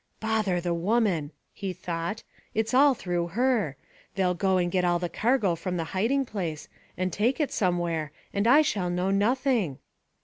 "Bother the woman!" he thought; "it's all through her. They'll go and get all the cargo from the hiding place, and take it somewhere, and I shall know nothing."